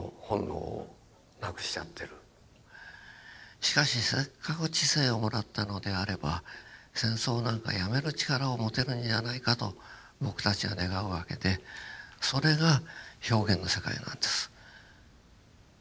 しかしせっかく知性をもらったのであれば戦争なんかやめる力を持てるんじゃないかと僕たちは願うわけでそれが表現の世界なんです。